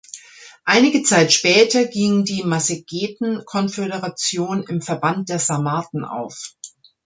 Einige Zeit später ging die Massageten-Konföderation im Verband der Sarmaten auf.